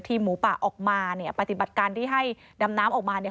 หมูป่าออกมาเนี่ยปฏิบัติการที่ให้ดำน้ำออกมาเนี่ย